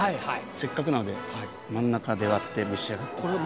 せっかくなので真ん中で割って召し上がってください。